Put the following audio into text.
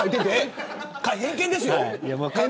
偏見ですよ。